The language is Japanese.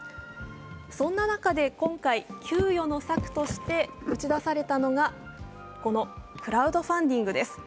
そんな中で今回、窮余の策として打ち出されたのが、このクラウドファンディングです。